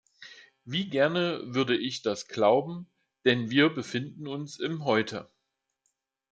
Wie gerne würde ich das glauben, denn wir befinden uns im Heute.